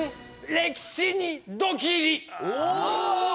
「歴史にドキリ」！